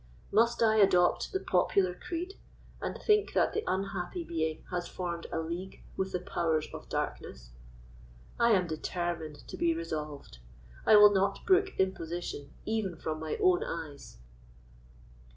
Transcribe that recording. Must I adopt the popular creed, and think that the unhappy being has formed a league with the powers of darkness? I am determined to be resolved; I will not brook imposition even from my own eyes."